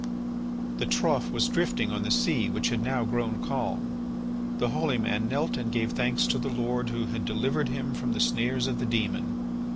The trough was drifting on the sea, which had now grown calm. The holy man knelt and gave thanks to the Lord who had delivered him from the snares of the demon.